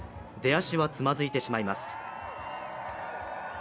出足はつまずいてしまいます。